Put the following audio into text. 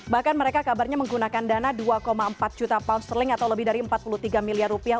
bahkan mereka kabarnya menggunakan dana dua empat juta pound sterling atau lebih dari empat puluh tiga miliar rupiah